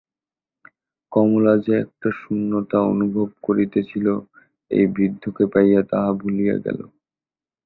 কমলা যে একটা শূন্যতা অনুভব করিতেছিল এই বৃদ্ধকে পাইয়া তাহা ভুলিয়া গেল।